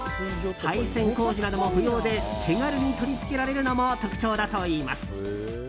配線工事なども不要で手軽に取り付けられるのも特徴だといいます。